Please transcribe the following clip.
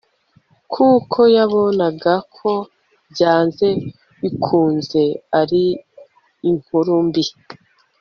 kuko yabonaga ko byanze bikunze hari inkuru mbi